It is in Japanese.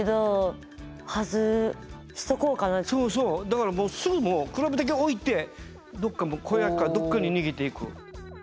だからすぐもうクラブだけ置いてどっか小屋かどっかに逃げていく。